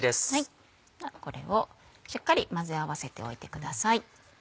これをしっかり混ぜ合わせておいてください。